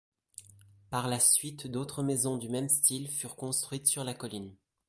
Par la suite d'autres maisons du même style furent construites sur la colline.